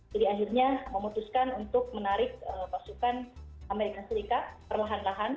jadi akhirnya memutuskan untuk menarik pasukan amerika serikat perlahan lahan